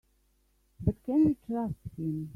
But can we trust him?